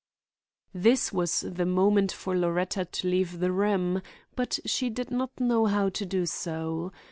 This was the moment for Loretta to leave the room; but she did not know how to do so.